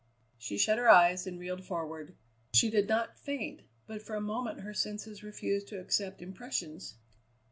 She shut her eyes and reeled forward. She did not faint, but for a moment her senses refused to accept impressions.